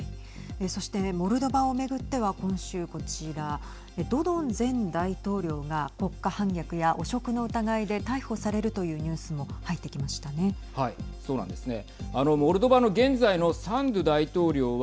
そしてモルドバをめぐっては今週こちらドドン前大統領が国家反逆や汚職の疑いで逮捕されるというニュースも入ってきましたね。